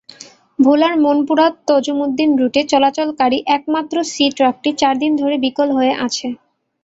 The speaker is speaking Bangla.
ভোলার মনপুরা-তজুমদ্দিন রুটে চলাচলকারী একমাত্র সি-ট্রাকটি চার দিন ধরে বিকল হয়ে আছে।